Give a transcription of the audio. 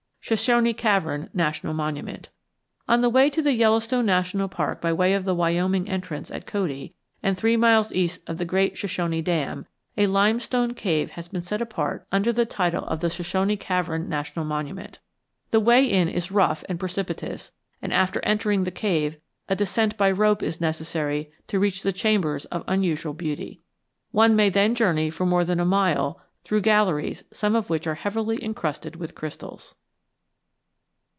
SHOSHONE CAVERN NATIONAL MONUMENT On the way to the Yellowstone National Park by way of the Wyoming entrance at Cody, and three miles east of the great Shoshone Dam, a limestone cave has been set apart under the title of the Shoshone Cavern National Monument. The way in is rough and precipitous and, after entering the cave, a descent by rope is necessary to reach the chambers of unusual beauty. One may then journey for more than a mile through galleries some of which are heavily incrusted with crystals.